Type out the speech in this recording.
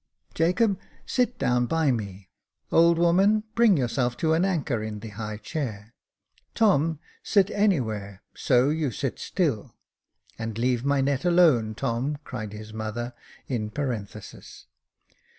"Jacob, sit down by me; old woman, bring yourself to an anchor in the high chair ; Tom, sit anywhere, so you sit still." —" And leave my net alone, Tom," cried his mother, in parenthesis.